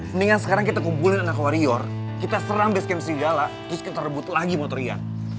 mendingan sekarang kita kumpulin anak warrior kita serang basecamp serigala terus kita rebut lagi motor iya